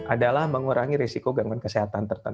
adalah mengurangi risiko gangguan kesehatan